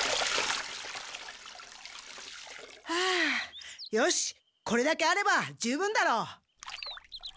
はあよしこれだけあれば十分だろう。